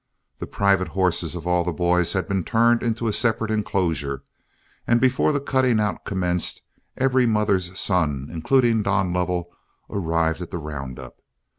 The private horses of all the boys had been turned into a separate inclosure, and before the cutting out commenced, every mother's son, including Don Lovell, arrived at the round up.